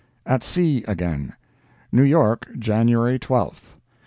AT SEA AGAIN NEW YORK, January 12th.